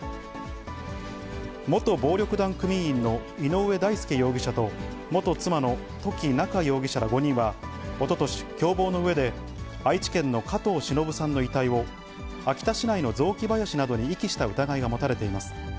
元暴力団組員の井上大輔容疑者と、元妻の土岐菜夏容疑者ら５人はおととし、共謀のうえで、愛知県の加藤しのぶさんの遺体を秋田市内の雑木林などに遺棄した疑いが持たれています。